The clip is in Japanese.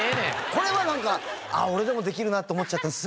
これはなんか俺でもできるなって思っちゃったんです。